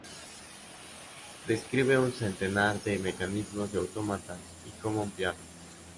Describe un centenar de mecanismos y autómatas, y como emplearlos.